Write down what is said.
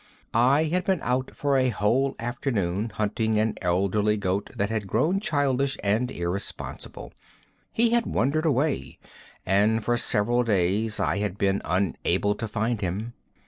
I had been out for a whole afternoon, hunting an elderly goat that had grown childish and irresponsible. He had wandered away, and for several days I had been unable to find him.